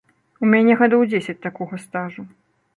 У мяне гадоў дзесяць такога стажу.